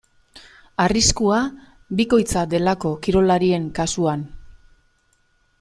Arriskua bikoitza delako kirolarien kasuan.